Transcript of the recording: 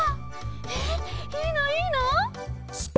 えっいいのいいの！？